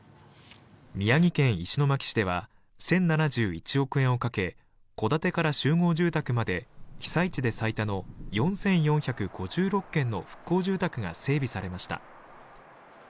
宮城県石巻市では１０７１億円をかけ戸建てから集合住宅まで被災地で最多の４４５６軒の復興住宅が整備されました。